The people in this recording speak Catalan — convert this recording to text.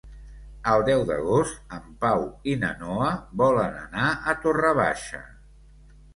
El deu d'agost en Pau i na Noa volen anar a Torre Baixa.